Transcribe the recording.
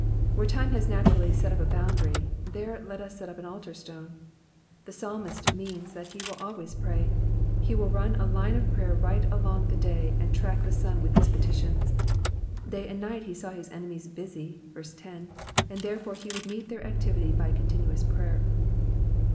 Where time has naturally set up a boundary, there let us set up an altar stone. The psalmist means that he will always pray ; he will run a line of prayer right along the day, and track the sun with his petitions. Day and night he saw his enemies busy (verse 10), and therefore he would meet their activity by continuous prayer.